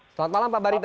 selamat malam pak barita